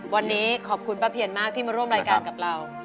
วันนี้ขอบคุณป้าเพียนมากที่มาร่วมรายการกับเรา